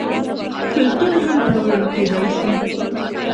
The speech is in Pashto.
کلتور هم پلورل کیدی شي.